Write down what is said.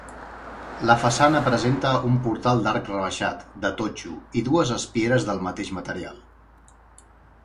La façana presenta un portal d'arc rebaixat, de totxo, i dues espieres del mateix material.